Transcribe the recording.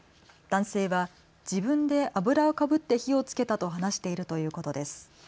男性は自分で油をかぶって火をつけたと話しているということです。